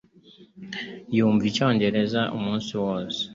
Yumva icyongereza umunsi wose